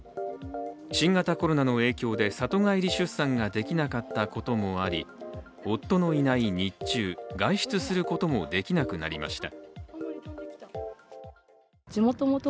新型コロナの影響で里帰り出産ができなかったこともあり夫のいない日中外出することもできなくなりました。